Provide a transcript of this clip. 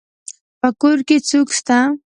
په کور کي څوک سته.